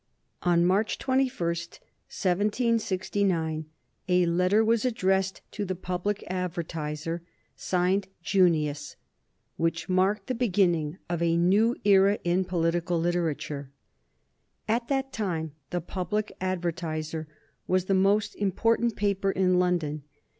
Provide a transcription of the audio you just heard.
On March 21, 1769, a letter was addressed to the Public Advertiser, signed "Junius," which marked the beginning of a new era in political literature. At that time the Public Advertiser was the most important paper in London.